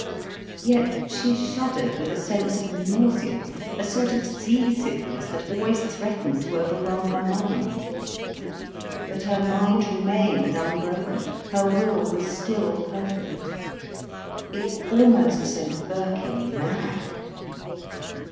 Yet she shuddered with a sense of nausea, a sort of seasickness that always threatened to overwhelm her mind. But her mind remained unbroken, her will was still perfect. It almost sent Birkin mad.